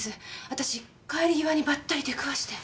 私帰り際にばったり出くわして。